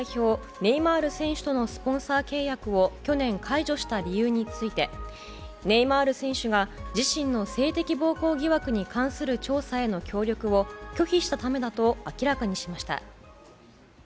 ネイマール選手とのスポンサー契約を去年、解除した理由についてネイマール選手が自身の性的暴行疑惑に関する調査への協力を拒否したためだと明らかにしました。